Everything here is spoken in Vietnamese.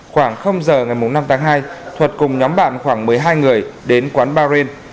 khoảng giờ ngày năm tháng hai thuật cùng nhóm bạn khoảng một mươi hai người đến quán ba rên